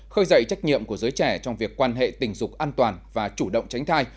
khơi dậy trách nhiệm của giới trẻ trong việc quan hệ tình dục an toàn và chủ động tránh thai